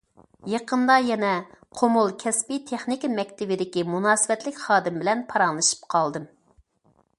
يېقىندا يەنە قۇمۇل كەسپىي تېخنىكا مەكتىپىدىكى مۇناسىۋەتلىك خادىم بىلەن پاراڭلىشىپ قالدىم.